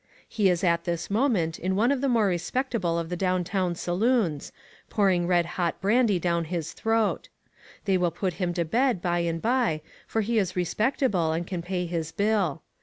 He is at this moment in one of the more respectable of the down town saloons, pouring red hot brandy down his throat. They will put him to bed, by and by, for he is respectable, and can pay his bill.